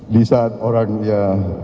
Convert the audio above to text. di saat orangnya